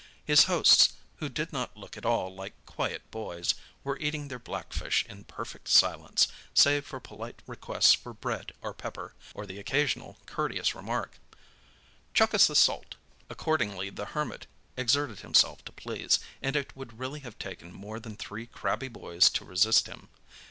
His hosts, who did not look at all like quiet boys, were eating their blackfish in perfect silence, save for polite requests for bread or pepper, or the occasional courteous remark, "Chuck us the salt!" Accordingly the Hermit exerted himself to please, and it would really have taken more than three crabby boys to resist him.